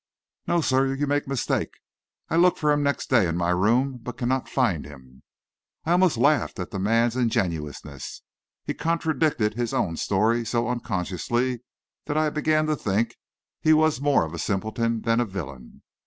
"No, sir. You make mistake. I look for him next day in my room, but cannot find him." I almost laughed at the man's ingenuousness. He contradicted his own story so unconsciously, that I began to think he was more of a simpleton than a villain.